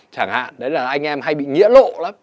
chẳng hạn đấy là anh em hay bị nghĩa lộ lắm